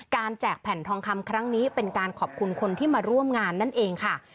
แจกแผ่นทองคำครั้งนี้เป็นการขอบคุณคนที่มาร่วมงานนั่นเองค่ะ